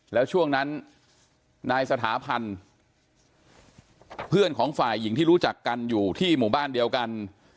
แล้วช่วงนั้นนายสถาพันธ์เพื่อนของฝ่ายหญิงที่รู้จักกันอยู่ที่หมู่บ้านเดียวกัน